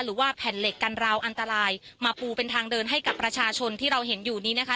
หรือว่าแผ่นเหล็กกันราวอันตรายมาปูเป็นทางเดินให้กับประชาชนที่เราเห็นอยู่นี้นะคะ